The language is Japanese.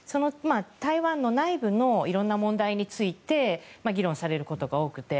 台湾内部のいろんな問題について議論されることが多くて。